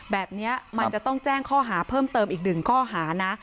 แบบนี้มันจะต้องแจ้งข้อหาเพิ่มเติมอีกหนึ่งข้อหานะ